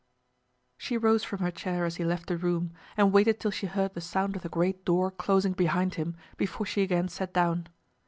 She rose from her chair as he left the room, and waited till she heard the sound of the great door closing behind him before she again sat down.